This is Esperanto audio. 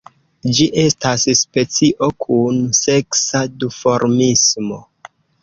Ĝi estas specio kun seksa duformismo.